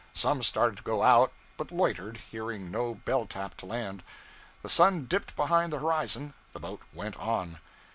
Some started to go out, but loitered, hearing no bell tap to land. The sun dipped behind the horizon, the boat went on.